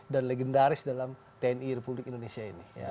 dan legendaris dalam tni republik indonesia ini